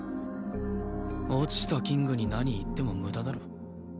落ちたキングに何言っても無駄だろ。